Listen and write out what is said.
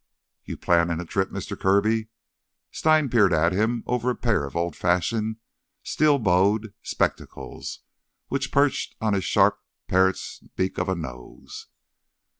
"You planning a trip, Mister Kirby?" Stein peered at him over a pair of old fashioned, steel bowed spectacles which perched on his sharp parrot's beak of a nose.